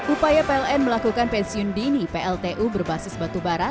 upaya pln melakukan pensiun dini pltu berbasis batubara